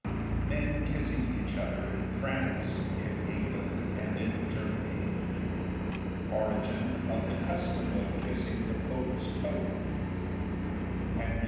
MEN KISSING EACH OTHER IN FRANCE, IN ENGLAND, AND IN GERMANY—ORIGIN OF THE CUSTOM OF KISSING THE POPE'S TOE— HENRY IV.